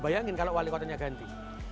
bayangin kalau wali kotanya ganti